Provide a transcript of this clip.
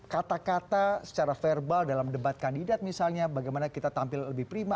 kata kata secara verbal dalam debat kandidat misalnya bagaimana kita tampil lebih prima